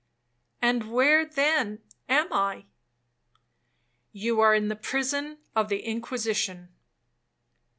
'—'And where, then, am I?'—'You are in the prison of the Inquisition.'